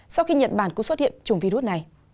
sau khi nhận bản của xuất hiện chủng virus này